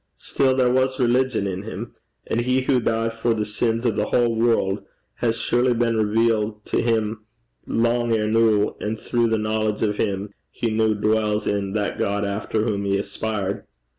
Still there was religion in him; and he who died for the sins o' the whole world has surely been revealed to him lang er' noo, and throu the knowledge o' him, he noo dwalls in that God efter whom he aspired.'